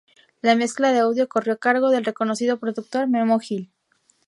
La mezcla de audio corrió a cargo del reconocido productor Memo Gil.